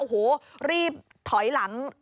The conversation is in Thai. โอ้โหรีบถอยหลัง